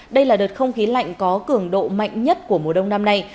đây là đợt không khí lạnh có cường độ mạnh nhất của mùa đông năm nay